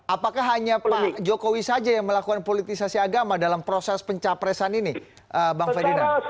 apakah hanya pak jokowi saja yang melakukan politisasi agama dalam proses pencapresan ini bang ferdinand